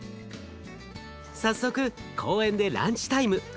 早速公園でランチタイム。